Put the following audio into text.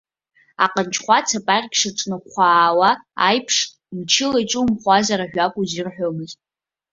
Аҟанҷхәац апаркь шаҿнахәаауа аиԥш мчыла иҿумхуазар ажәак узирҳәомызт.